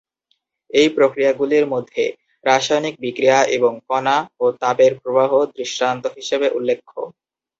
এই প্রক্রিয়াগুলির মধ্যে রাসায়নিক বিক্রিয়া এবং কণা ও তাপের প্রবাহ দৃষ্টান্ত হিসেবে উল্লেখ্য।